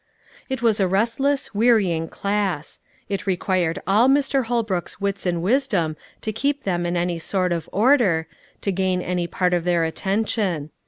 It was a restless, wearying class. It required all Mr. Holbrook's wits and wisdom to keep them in any sort of order, to gain any part of their attention.